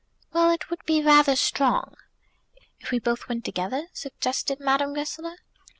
"Well, it would be rather strong." "If we both went together?" suggested Madame Goesler.